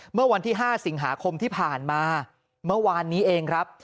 เมื่อวันที่๕สิงหาคมที่ผ่านมาเมื่อวานนี้เองครับ